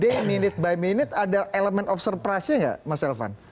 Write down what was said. detik melihat day by day minute by minute ada element of surprise nya nggak mas elvan